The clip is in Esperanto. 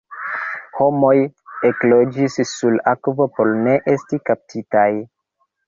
Homoj ekloĝis sur akvo por ne esti kaptitaj.